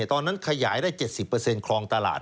ตอนนั้นขยายได้๗๐คลองตลาด